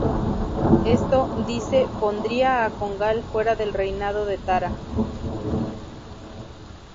Esto, dice, pondría a Congal fuera del reinado de Tara.